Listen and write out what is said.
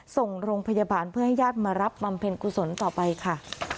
ส่งโรงพยาบาลเพื่อให้ญาติมารับบำเพ็ญกุศลต่อไปค่ะ